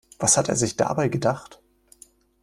Was hat er sich dabei gedacht?